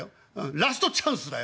ラストチャンスだよ？